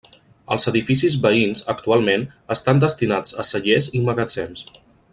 Els edificis veïns, actualment, estan destinats a cellers i magatzems.